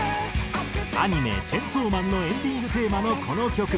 アニメ『チェンソーマン』のエンディング・テーマのこの曲。